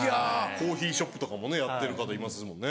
コーヒーショップとかもねやってる方いますもんね。